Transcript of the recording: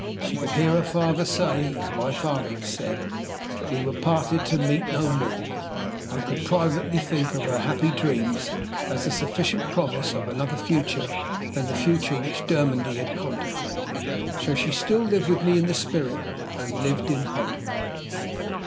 She could hear her father say (as my father had said) that we were parted to meet no more, and could privately think of her happy dreams as the sufficient promise of another future than the future which Dermody contemplated. So she still lived with me in the spirit and lived in hope.